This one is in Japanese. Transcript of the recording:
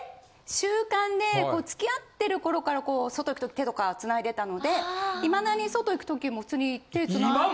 習慣で付き合ってる頃から外行く時手とか繋いでたのでいまだに外行く時も普通に手繋いだり。